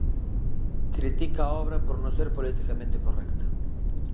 Critica a obra por non ser politicamente correcta.